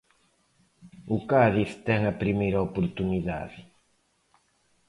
O Cádiz ten a primeira oportunidade.